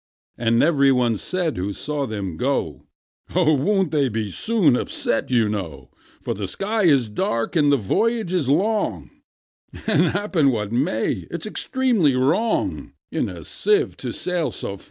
And every one said who saw them go, "Oh! won't they be soon upset, you know? For the sky is dark, and the voyage is long; And, happen what may, it's extremely wrong In a sieve to sail so fast."